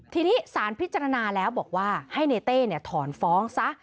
ทีนี้สารพิจารณาแล้วบอกว่าให้ในเต้ถอนฟ้องซะ